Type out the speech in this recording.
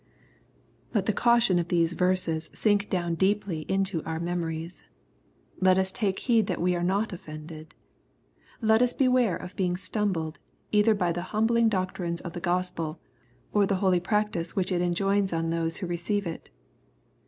Let the caution of these verses sink down deeply into our memories. Let us take heed that we are not offend ed. Let us beware of being stumbled, either by the humbling doctrines of the Gospel, or the holy practice which it enjoins on those who receive it.